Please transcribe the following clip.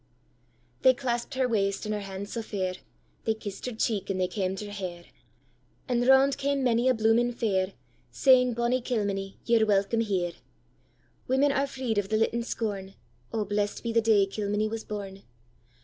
'—They clasp'd her wrist and her hands sae fair, They kiss'd her cheek and they kemed her hair, And round came many a blooming fere, Saying, 'Bonnie Kilmeny, ye're welcome here! Women are freed of the littand scorn:O blest be the day Kilmeny was born!